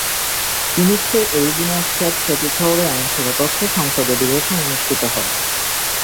ফিনিক্সের Arizona state ক্যাপিটলের আইনসভা কক্ষে সংসদ অধিবেশন অনুষ্ঠিত হয়।